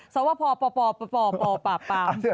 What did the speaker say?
ซัลว่าพววปวว